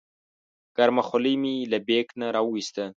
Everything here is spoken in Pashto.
ګرمه خولۍ مې له بیک نه راوویسته.